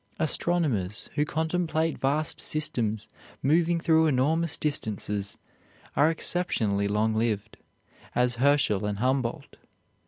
Astronomers, who contemplate vast systems, moving through enormous distances, are exceptionally long lived, as Herschel and Humboldt.